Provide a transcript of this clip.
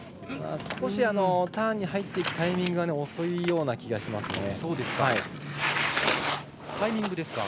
少しターンに入っていくタイミングが遅いように思います。